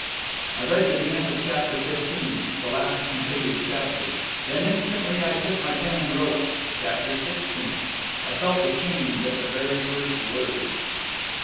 I read to the end of Chapter Fifteen, the last completed chapter. Then instantly I took my pen and wrote, "Chapter Sixteen...." I felt the change at the very first word.